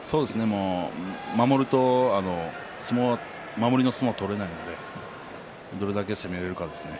守りの相撲が取れないのでどれだけ攻められるか。